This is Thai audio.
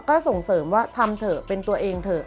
ก็ส่งเสริมว่าทำเถอะเป็นตัวเองเถอะ